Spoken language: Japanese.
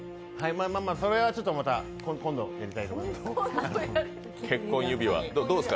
それはちょっとまた今度やりたいと思います。